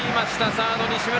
サード、西村。